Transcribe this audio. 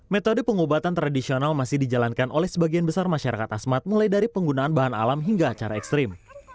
metode pengobatan tradisional masih dijalankan oleh sebagian besar masyarakat asmat mulai dari penggunaan bahan alam hingga acara ekstrim